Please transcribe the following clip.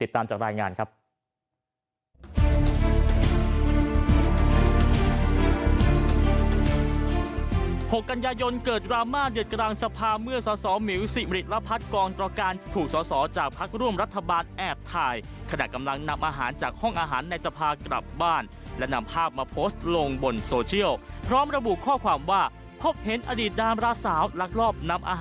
ตามจากรายงานครับ